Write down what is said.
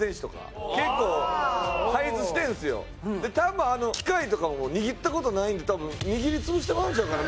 多分機械とかも握った事ないんで握り潰してまうんちゃうかな？